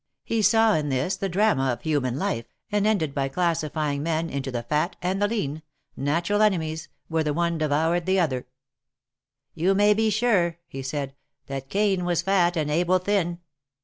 He saw in this the drama of human life, and ended by classifying men into the Fat and the Lean — natural enemies — where the one devoured the other. 218 THE MARKETS OF PARIS. Yon may be sure/' he said, that Cain was fat, and Abel thin.